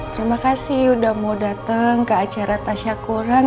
terima kasih udah mau dateng ke acara tasya kurang